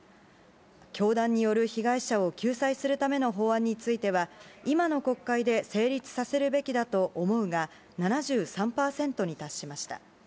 教団による被害者を救済するための法案については、今の国会で成立させるべきだと思うが７３％に達しました。